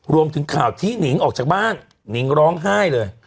รวมถึงข่าวที่หนิงออกจากบ้านหนิงร้องไห้เลย